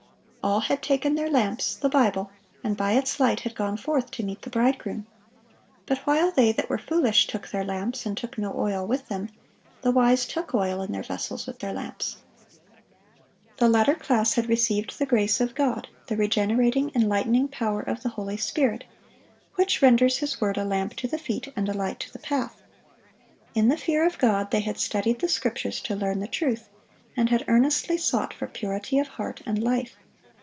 All had taken their lamps, the Bible, and by its light had gone forth to meet the Bridegroom. But while "they that were foolish took their lamps, and took no oil with them," "the wise took oil in their vessels with their lamps." The latter class had received the grace of God, the regenerating, enlightening power of the Holy Spirit, which renders His word a lamp to the feet and a light to the path. In the fear of God they had studied the Scriptures to learn the truth, and had earnestly sought for purity of heart and life.